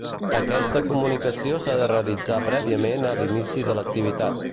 Aquesta comunicació s'ha de realitzar prèviament a l'inici de l'activitat.